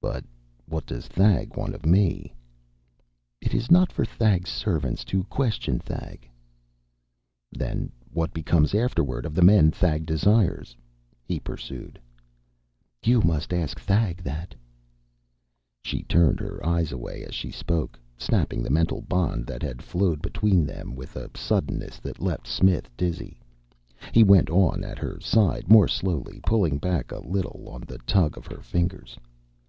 "But what does Thag want of me?" "It is not for Thag's servants to question Thag." "Then what becomes, afterward, of the men Thag desires?" he pursued. "You must ask Thag that." She turned her eyes away as she spoke, snapping the mental bond that had flowed between them with a suddenness that left Smith dizzy. He went on at her side more slowly, pulling back a little on the tug of her fingers.